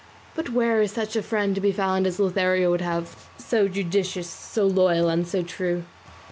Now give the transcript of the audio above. But where is such a friend to be found as Lothario would have, so judicious, so loyal, and so true?